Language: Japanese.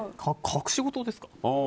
隠し事ですか？